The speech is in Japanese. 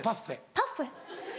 パッフェ？